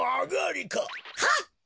はっ！